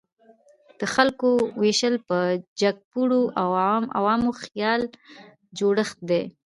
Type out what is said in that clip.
د خلکو ویشل په جګپوړو او عوامو د خیال جوړښت دی.